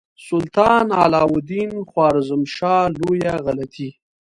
سلطان علاء الدین خوارزمشاه لویه غلطي.